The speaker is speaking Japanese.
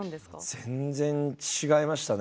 全然違いましたね。